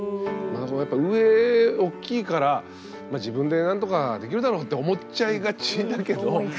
またやっぱ上おっきいから自分で何とかできるだろうって思っちゃいがちだけど。